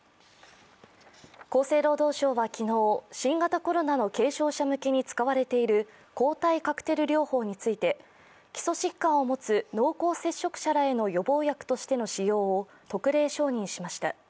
厚生労働省は昨日、新型コロナの軽症者向けに使われている抗体カクテル療法について、基礎疾患を持つ濃厚接触者らへの予防薬としての使用を特例承認しました。